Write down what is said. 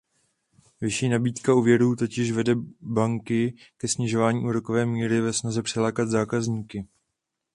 Vyšší nabídka úvěrů totiž vede banky ke snižování úrokové míry ve snaze přilákat zákazníky.